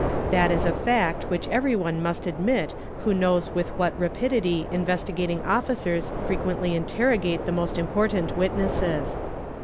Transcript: That is a fact which everyone must admit who knows with what rapidity Investigating : vie fiicers frequently interrogate the most important witnesses.